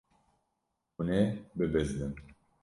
Hûn ê bibizdin.